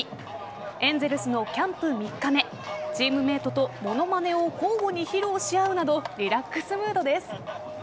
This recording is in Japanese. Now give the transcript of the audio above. エンゼルスのキャンプ３日目チームメートと物まねを交互に披露し合うなどリラックスムードです。